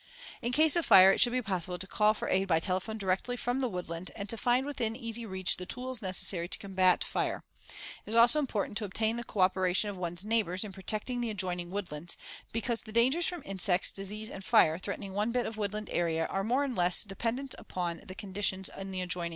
In case of fire, it should be possible to call for aid by telephone directly from the woodland and to find within easy reach the tools necessary to combat fire. It is also important to obtain the co operation of one's neighbors in protecting the adjoining woodlands, because the dangers from insects, disease and fire threatening one bit of woodland area are more or less dependent upon the conditions in the adjoining woodland.